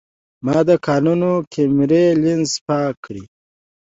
ما د کانون کیمرې لینز پاک کړ.